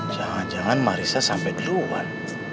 jangan jangan marissa sampai keluar